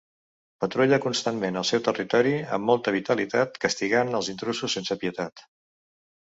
Patrulla constantment el seu territori amb molta vitalitat, castigant els intrusos sense pietat.